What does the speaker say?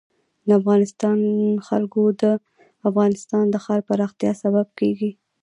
د افغانستان جلکو د افغانستان د ښاري پراختیا سبب کېږي.